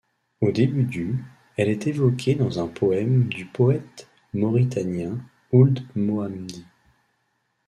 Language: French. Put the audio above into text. Au début du elle est évoquée dans un poème du poète mauritanien Ould Mohamdi.